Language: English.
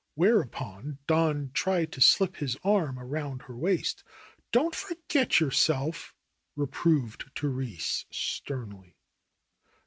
Whereupon Don tried to slip his arm around her waist. ''Don't forget yourself," reproved Therese sternly.